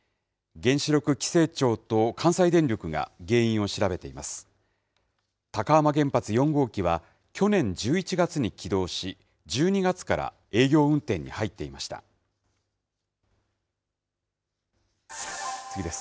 原子力規制庁と関西電力が、原因を調べています。